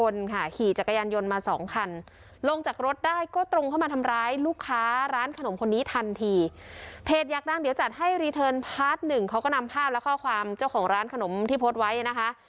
เนี่ยค่ะภาพกล้องลงจรปิดหน้าร้านขนมตรงจุดเกิดเหตุเนี่ยนะคะ